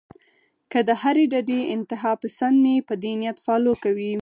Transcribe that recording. کۀ د هرې ډډې انتها پسند مې پۀ دې نيت فالو کوي